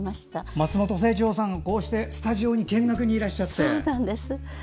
松本清張さんが、こうしてスタジオに見学にいらして。